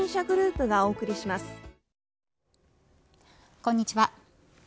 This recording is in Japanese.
こんにちは。